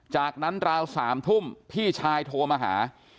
จากนั้นราว๓ทุ่มพี่ชายโทรมาหา